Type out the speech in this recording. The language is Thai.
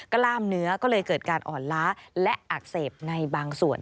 กล้ามเนื้อก็เลยเกิดการอ่อนล้าและอักเสบในบางส่วน